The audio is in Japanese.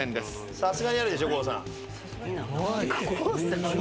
さすがにあるでしょ郷さん。